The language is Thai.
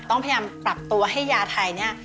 ต้องพยายามปรับตัวให้ยาไทยเนี่ย